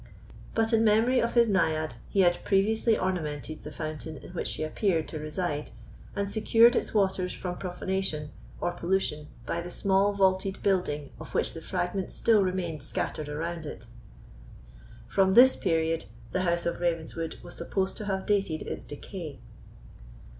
But, in memory of his Naiad, he had previously ornamented the fountain in which she appeared to reside, and secured its waters from profanation or pollution by the small vaulted building of which the fragments still remained scattered around it. From this period the house of Ravenswood was supposed to have dated its decay.